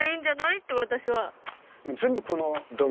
って私は。